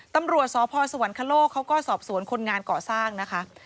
ตำรวจสพสวรรคโลกเขาก็สอบสวนคนงานก่อสร้างนะคะ